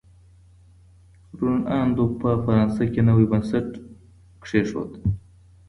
روڼ اندو په فرانسه کي نوی بنسټ کیښود.